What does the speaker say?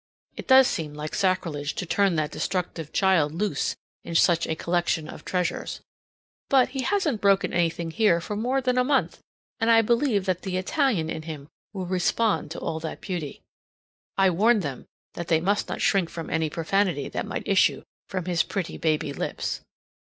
It does seem like sacrilege to turn that destructive child loose in such a collection of treasures. But he hasn't broken anything here for more than a month, and I believe that the Italian in him will respond to all that beauty. I warned them that they must not shrink from any profanity that might issue from his pretty baby lips.